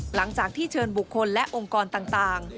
หลังจากที่เชิญบุคคลและองค์กรต่าง